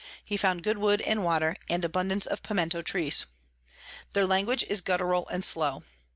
he found good Wood and Water, and abundance of Piemento Trees. Their Language is guttural and slow.